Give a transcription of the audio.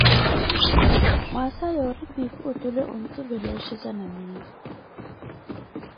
Mwaasa yoori piipi otule ontuvela oxheza na miyo.